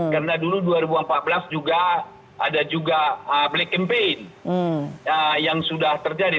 karena dulu dua ribu empat belas juga ada juga black campaign yang sudah terjadi